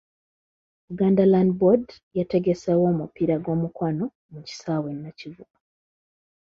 Buganda Land Board yategeseeyo omupiira gw'omukwano mu kisaawe e Nakivubo.